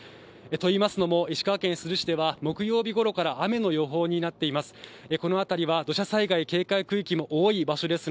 といいますのも、石川県珠洲市では、木曜日ごろから雨の予報になっています。